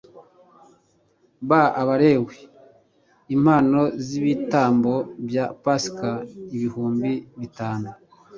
b abalewi impano z ibitambo bya pasika ibihumbi bitanu